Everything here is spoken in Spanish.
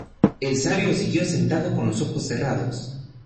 El sabio siguió sentado con los ojos cerrados.